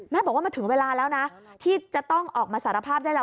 บอกว่ามันถึงเวลาแล้วนะที่จะต้องออกมาสารภาพได้แล้ว